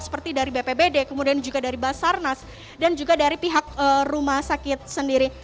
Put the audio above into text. seperti dari bpbd kemudian juga dari basarnas dan juga dari pihak rumah sakit sendiri